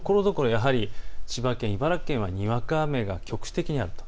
やはり千葉県、茨城県はにわか雨が局地的にあると。